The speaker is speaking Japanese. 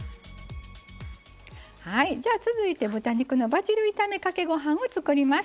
続いて豚肉のバジル炒めかけご飯を作ります。